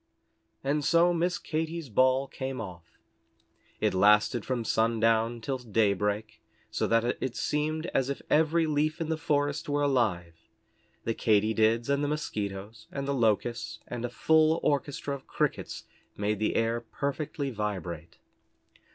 And so Miss Katy's ball came off. It lasted from sundown till daybreak, so that it seemed as if every leaf in the forest were alive. The Katy Dids, and the Mosquitoes, and the Locusts, and a full orchestra of Crickets made the air perfectly vibrate.